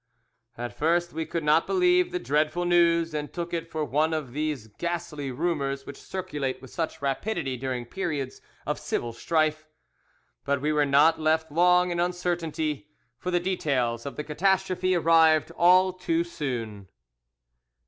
"At first we could not believe the dreadful news, and took it for one of those ghastly rumours which circulate with such rapidity during periods of civil strife; but we were not left long in uncertainty, for the details of the catastrophe arrived all too soon."